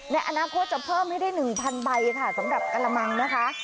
ในอนาคตจะเพิ่มให้ได้๑๐๐ใบค่ะสำหรับกระมังนะคะ